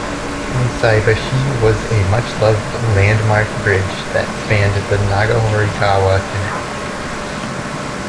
Shinsaibashi was a much loved, landmark bridge that spanned the Nagahori-gawa canal.